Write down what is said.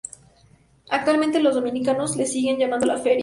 Actualmente los dominicanos le siguen llamando La Feria.